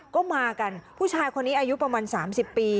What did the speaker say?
ก็มากันผู้ชายคนนี้อายุประมาณ๓๐ปี